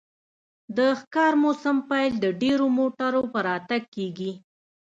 د ښکار موسم پیل د ډیرو موټرو په راتګ کیږي